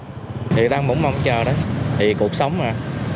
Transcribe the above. chị đang bỗng mộng chờ đó thì cuộc sống mà